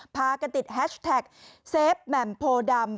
พากันติดแฮชแท็กเซฟแหม่มโพดำ